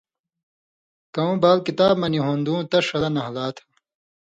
کؤں بال کتاب مہ نی ہُون٘دُوں تس ݜلہ نھالا تھہ۔